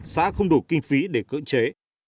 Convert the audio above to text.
xã không đủ kinh phí để cưỡng chế